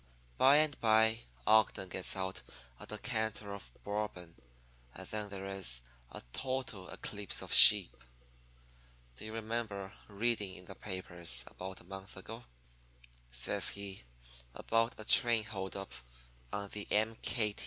"By and by Ogden gets out a decanter of Bourbon, and then there is a total eclipse of sheep. "'Do you remember reading in the papers, about a month ago,' says he, 'about a train hold up on the M.